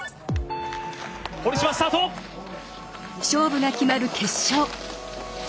勝負が決まる決勝。